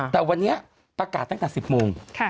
แต่วันนี้ประกาศตั้งแต่๑๐โมง